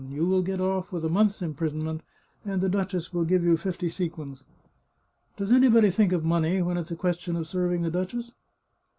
You will get oflf with a month's imprisonment, and the duchess will give you fifty sequins," " Does anybody think of money when it's a question of serving the duchess